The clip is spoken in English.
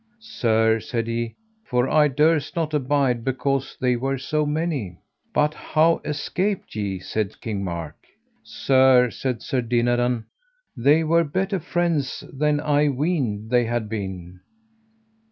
Sir, said he, for I durst not abide because they were so many. But how escaped ye? said King Mark. Sir, said Sir Dinadan, they were better friends than I weened they had been.